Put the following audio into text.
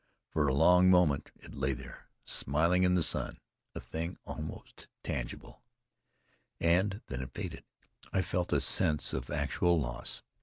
For a long moment it lay there, smiling in the sun, a thing almost tangible; and then it faded. I felt a sense of actual loss.